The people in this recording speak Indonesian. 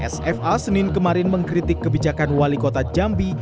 sfa senin kemarin mengkritik kebijakan wali kota jambi